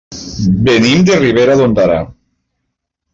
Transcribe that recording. Venim de Ribera d'Ondara.